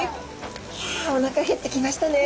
ひゃおなか減ってきましたね。